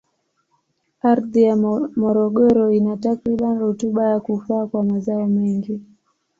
Ardhi ya Morogoro ina takribani rutuba ya kufaa kwa mazao mengi.